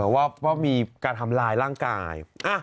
ว่ามีการทำร้ายร่างกาย